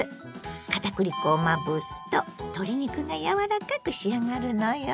片栗粉をまぶすと鶏肉がやわらかく仕上がるのよ。